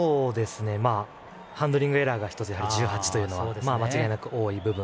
ハンドリングエラーが１８というのは間違いなく多い部分。